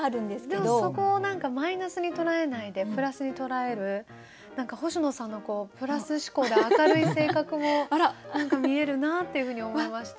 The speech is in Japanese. でもそこを何かマイナスに捉えないでプラスに捉える星野さんのプラス思考で明るい性格も何か見えるなっていうふうに思いました。